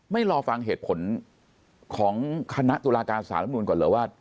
รอฟังเหตุผลของคณะตุลาการสารรัฐมนุนก่อนเหรอว่า